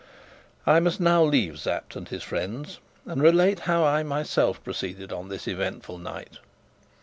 I must now leave Sapt and his friends, and relate how I myself proceeded on this eventful night.